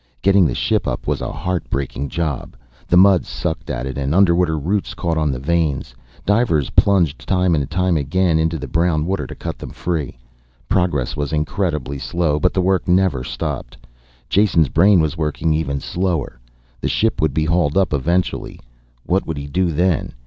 Getting the ship up was a heart breaking job. The mud sucked at it and underwater roots caught on the vanes. Divers plunged time and again into the brown water to cut them free. Progress was incredibly slow, but the work never stopped. Jason's brain was working even slower. The ship would be hauled up eventually what would he do then?